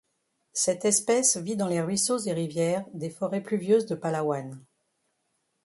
Cette espèce vit dans les ruisseaux et rivières des forêts pluvieuses de Palawan.